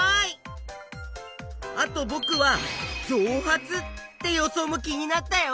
あとぼくは「じょう発」って予想も気になったよ！